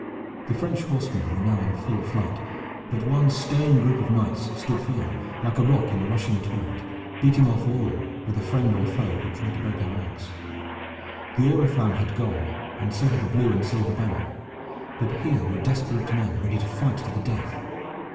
The French horsemen were now in full flight; but one stern group of knights stood firm, like a rock in a rushing torrent, beating off all, whether friend or foe, who tried to break their ranks. The oriflamme had gone, and so had the blue and silver banner, but here were desperate men ready to fight to the death.